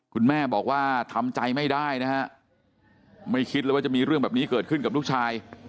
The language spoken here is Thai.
คุณแม่บอกว่าทำใจไม่ได้นะฮะไม่คิดเลยว่าจะมีเรื่องแบบนี้เกิดขึ้นกับลูกชาย